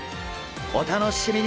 お楽しみに！